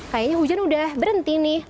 kayaknya hujan udah berhenti nih